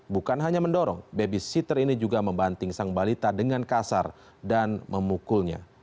bukan hanya mendorong babysitter ini juga membanting sang balita dengan kasar dan memukulnya